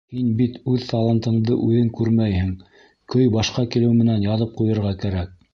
Һин бит үҙ талантыңды үҙең күрмәйһең, көй башҡа килеү менән яҙып ҡуйырға кәрәк.